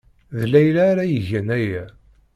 D Layla ara igen aya.